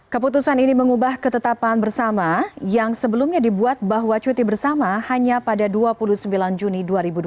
keputusan ini mengubah ketetapan bersama yang sebelumnya dibuat bahwa cuti bersama hanya pada dua puluh sembilan juni dua ribu dua puluh